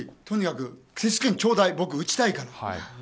とにかく接種券ちょうだい僕打ちたいから。